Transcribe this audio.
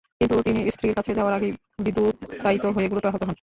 কিন্তু তিনি স্ত্রীর কাছে যাওয়ার আগেই বিদ্যুতায়িত হয়ে গুরুতর আহত হন।